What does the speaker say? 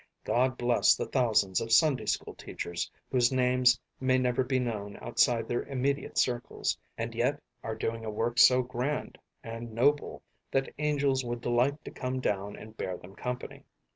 God bless the thousands of Sunday school teachers whose names may never be known outside their immediate circles, and yet are doing a work so grand and noble that angels would delight to come down and bear them company.